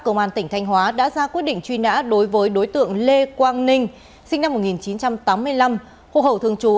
công an tỉnh thanh hóa đã ra quyết định truy nã đối với đối tượng lê quang ninh sinh năm một nghìn chín trăm tám mươi năm hồ hậu thường trú